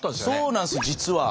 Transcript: そうなんですよ実は。